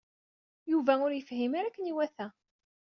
Yuba ur yefhim ara akken iwata.